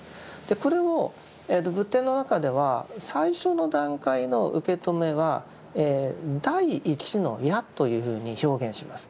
これを仏典の中では最初の段階の受け止めは「第一の矢」というふうに表現します。